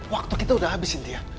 waktu kita udah habis sintia